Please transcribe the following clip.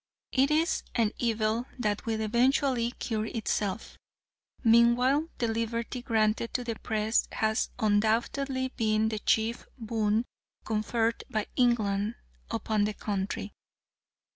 It is an evil that will eventually cure itself. Meanwhile the liberty granted to the Press has undoubtedly been the chief boon conferred by England upon the country.